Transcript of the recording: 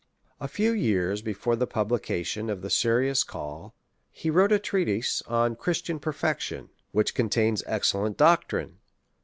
A few years before the publication of the Serious Call, he wrote a treatise on Christian Perfection, which contains excellent doctrine.